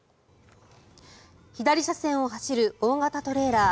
左車線を走る大型トレーラー。